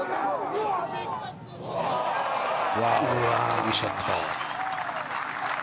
いいショット。